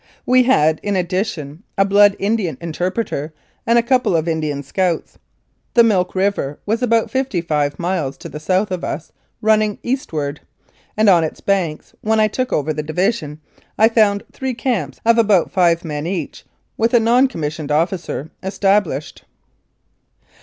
We had, in addition, a Blood Indian interpreter and a couple of Indian scouts. The Milk River was about fifty five miles to the south of us running eastward, and on its banks, when I took over the division, I found three camps of about five men each, with a non commissioned officer, established.